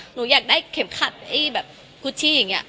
หนูอยากได้เข็มขัดไอ้แบบคุชชี่อย่างนี้